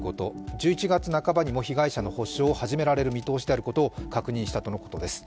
１１月半ばにも被害者の補償が始められる見通しであることを確認したということです。